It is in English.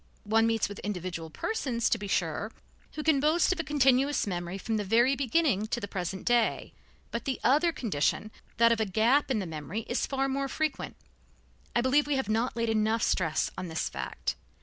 One meets with individual persons, to be sure, who can boast of a continuous memory from the very beginning to the present day, but the other condition, that of a gap in the memory, is far more frequent. I believe we have not laid enough stress on this fact.